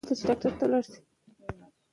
مودې وسوې چا یې مخ نه وو لیدلی